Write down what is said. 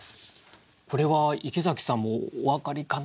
これは池崎さんもお分かりかな？